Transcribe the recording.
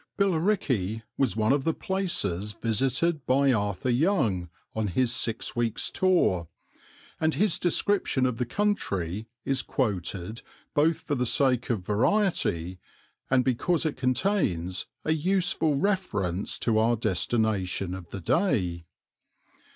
Billericay was one of the places visited by Arthur Young on his Six Weeks' Tour, and his description of the country is quoted both for the sake of variety and because it contains a useful reference to our destination of the day.